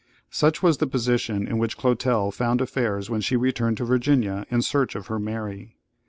Such was the position in which Clotel found affairs when she returned to Virginia in search of her Mary.